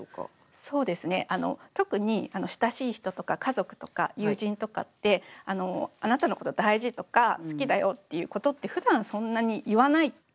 そうですね特に親しい人とか家族とか友人とかってあなたのこと大事とか好きだよって言うことってふだんそんなに言わないと思うんですよね。